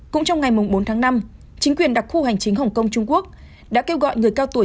cũng trong ngày bốn tháng năm chính quyền đặc khu hành chính hồng kông trung quốc đã kêu gọi người cao tuổi